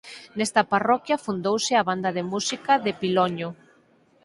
Nesta parroquia fundouse a Banda de música de Piloño.